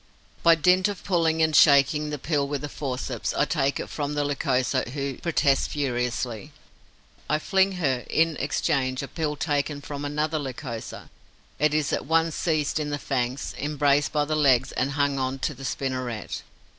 By dint of pulling and shaking the pill with the forceps, I take it from the Lycosa, who protests furiously. I fling her in exchange a pill taken from another Lycosa. It is at once seized in the fangs, embraced by the legs and hung on to the spinneret.